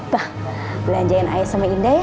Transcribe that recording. bang belanjain aja sama indah ya